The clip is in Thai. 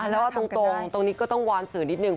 แล้วก็ตรงตรงนี้ก็ต้องวอนสื่อนิดนึ